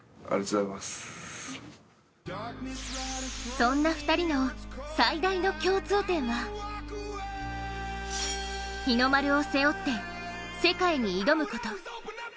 そんな２人の最大の共通点は日の丸を背負って世界に挑むこと。